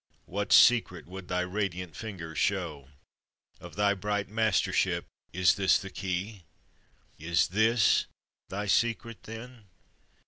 What secret would thy radiant finger show? Of thy bright mastership is this the key? Is this thy secret, then?